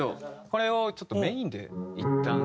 これをちょっとメインでいったん。